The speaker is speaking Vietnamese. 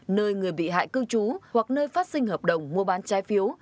nơi người bị hại cư trú hoặc nơi phát sinh hợp đồng mua bán trái phiếu